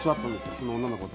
その女の子と。